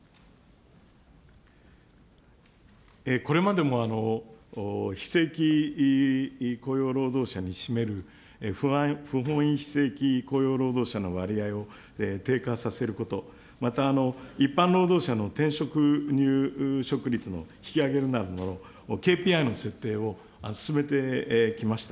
これまでも非正規雇用労働者に占める不本意非正規雇用労働者の割合を低下させること、また、一般労働者の転職離職率の引き上げなどのＫＰＩの設定を進めてきました。